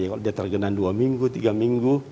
kalau dia tergenang dua minggu tiga minggu